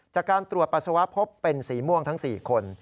จากการตรวจปัสสาวะพบเป็นสีม่วงทั้ง๔คน